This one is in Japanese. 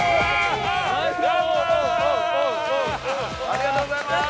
ありがとうございます。